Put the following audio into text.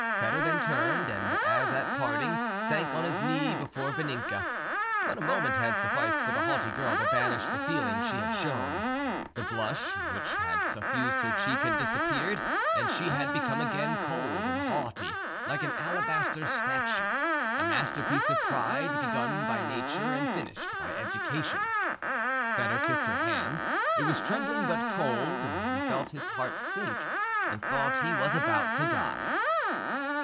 Foedor then turned, and as at parting, sank on his knee before Vaninka; but a moment had sufficed for the haughty girl to banish the feeling she had shown. The blush which had suffused her cheek had disappeared, and she had become again cold and haughty like an alabaster statue a masterpiece of pride begun by nature and finished by education. Foedor kissed her hand; it was trembling but cold he felt his heart sink, and thought he was about to die.